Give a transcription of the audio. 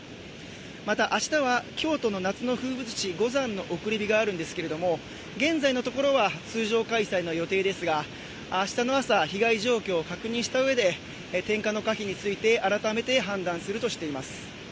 また、明日は京都の夏の風物詩五山の送り火があるんですけれども、現在のところは通常開催の予定ですが明日の朝、被害状況を確認したうえで点火の可否について改めて判断するとしています。